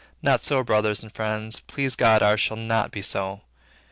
Not so, brothers and friends, please God, ours shall not be so.